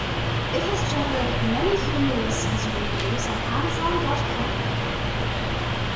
It has generated many humorous user reviews on Amazon dot com.